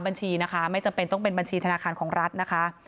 บัญชีนะคะไม่จำเป็นต้องเป็นบัญชีธนาคารของรัฐนะคะ